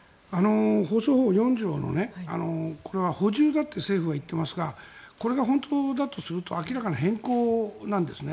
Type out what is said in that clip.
放送法４条のこれは補充だって政府が言っていますがこれが本当だとすると明らかな変更なんですね。